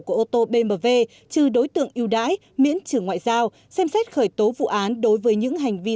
của ô tô bmw trừ đối tượng yêu đãi miễn trừ ngoại giao xem xét khởi tố vụ án đối với những hành vi